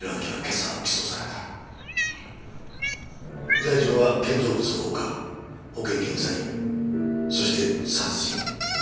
罪状は建造物放火保険金詐欺そして殺人。